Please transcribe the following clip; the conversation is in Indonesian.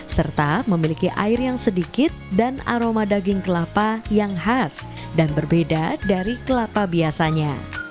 serta memiliki air yang sedikit dan aroma daging kelapa yang khas dan berbeda dari kelapa biasanya